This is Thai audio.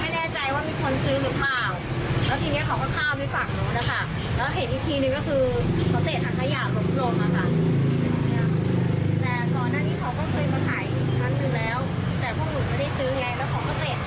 แล้วก็ล้างเท้าแล้วก็เดินหนีไป